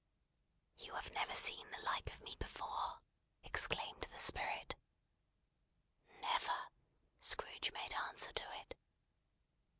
"You have never seen the like of me before!" exclaimed the Spirit. "Never," Scrooge made answer to it.